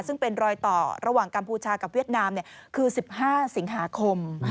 ซึ่งเป็นรอยต่อระหว่างกัมพูชากับเวียดนามคือ๑๕สิงหาคม